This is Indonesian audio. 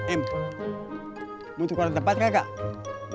em mau ke warna tempat gak kak